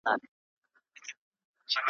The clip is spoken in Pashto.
څه بدۍ مو دي په مځكه كي كرلي `